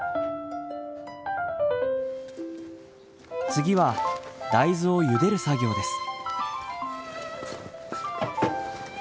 次は大豆をゆでる作業です。